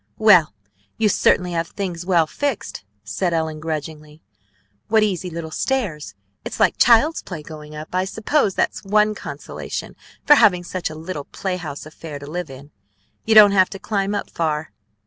"Well, you certainly have things well fixed," said Ellen grudgingly. "What easy little stairs! It's like child's play going up. I suppose that's one consolation for having such a little playhouse affair to live in; you don't have to climb up far.